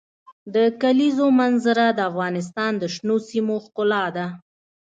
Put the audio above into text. د کلیزو منظره د افغانستان د شنو سیمو ښکلا ده.